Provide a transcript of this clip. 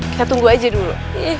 kita tunggu aja dulu